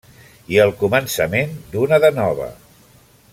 I el començament d'una de nova.